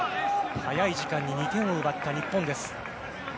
早い時間に２点を奪った日本です。